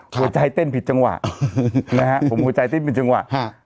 หัวใจเต้นผิดจังหวะนะฮะผมหัวใจเต้นผิดจังหวะฮะ